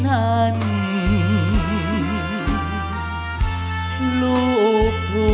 ไม่ใช้